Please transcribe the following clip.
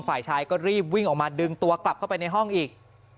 ฝ่ายชายก็รีบวิ่งออกมาดึงตัวกลับเข้าไปในห้องอีก